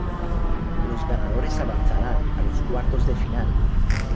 Los ganadores avanzarán a los cuartos de final.